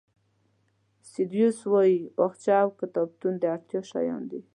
سیسرو وایي باغچه او کتابتون د اړتیا شیان دي.